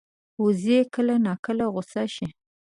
وزې کله ناکله غوسه شي